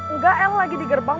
enggak l lagi di gerbang